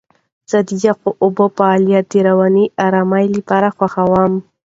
زه د یخو اوبو فعالیت د رواني آرامۍ لپاره خوښوم.